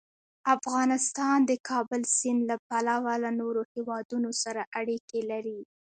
افغانستان د د کابل سیند له پلوه له نورو هېوادونو سره اړیکې لري.